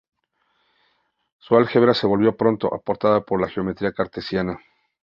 Su álgebra se olvidó pronto, apartada por la geometría cartesiana.